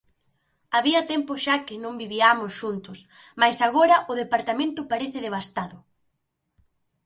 Había tempo xa que non viviamos xuntos, mais agora o departamento parece devastado.